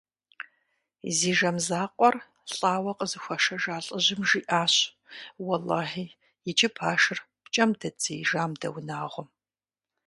Зи жэм закъуэр лӀауэ къызыхуашэжа лӀыжьым жиӀащ: «Уэлэхьи, иджы башыр пкӀэм дэддзеижам дэ унагъуэм».